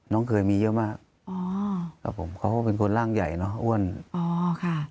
เคยมีเยอะมากอ๋อครับผมเขาก็เป็นคนร่างใหญ่เนอะอ้วนอ๋อค่ะ